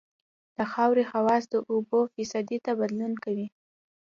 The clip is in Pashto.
د خاورې خواص د اوبو فیصدي ته بدلون کوي